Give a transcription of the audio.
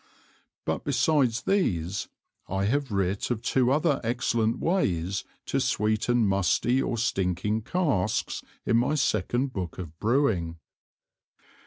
But besides these, I have writ of two other excellent Ways to sweeten musty or stinking Casks, in my Second Book of Brewing.